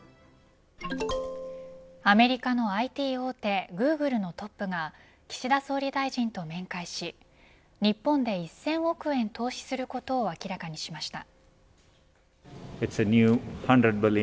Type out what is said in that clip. アメリカのＩＴ大手グーグルのトップが岸田総理大臣と面会し日本で１０００億円投資することを明らかにしました。